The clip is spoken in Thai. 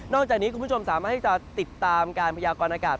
จากนี้คุณผู้ชมสามารถที่จะติดตามการพยากรณากาศ